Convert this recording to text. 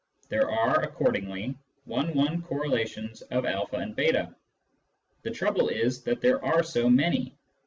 There are, accordingly, one one cor relations of o and ]8. The trouble is that there are so many.